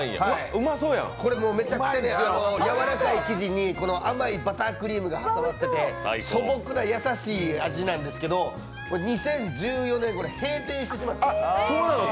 これ、めちゃくちゃやわらかい生地に甘いバタークリームが挟まってて素朴な優しい味なんですけど２０１４年、閉店してしまって。